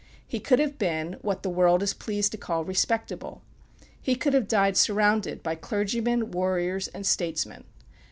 He could have been what the world is pleased to call "respectable." He could have died surrounded by clergymen, warriors and statesmen.